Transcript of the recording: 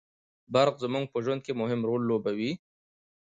برق زموږ په ژوند کي مهم رول لوبوي